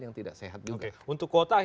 yang tidak sehat juga untuk kota